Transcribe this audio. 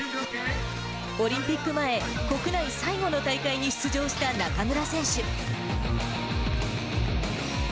オリンピック前、国内最後の大会に出場した中村選手。